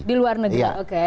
di luar negeri oke